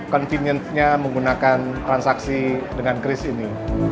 konveniencenya menggunakan transaksi dengan crisp ini